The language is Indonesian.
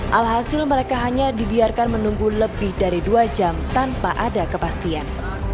alhasil mereka hanya dibiarkan menunggu lebih dari dua jam tanpa ada kepastian